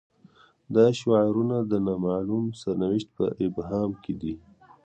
دا شعارونه د نا معلوم سرنوشت په ابهام کې دي.